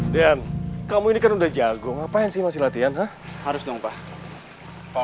dan kamu ini kan udah jago ngapain sih masih latihan harus dong pak kalau